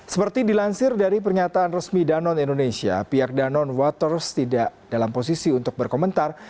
seperti dilansir dari pernyataan resmi danon indonesia pihak danon waters tidak dalam posisi untuk berkomentar